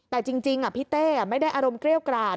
แต่จริงพี่เต้ไม่ได้อารมณ์เกรี้ยวกราด